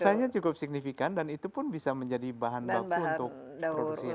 desainnya cukup signifikan dan itu pun bisa menjadi bahan baku untuk produksi